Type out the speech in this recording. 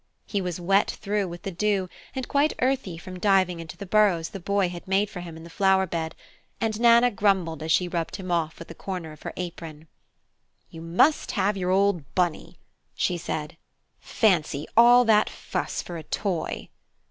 He was wet through with the dew and quite earthy from diving into the burrows the Boy had made for him in the flower bed, and Nana grumbled as she rubbed him off with a corner of her apron. Spring Time "You must have your old Bunny!" she said. "Fancy all that fuss for a toy!"